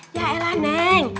ya elah neng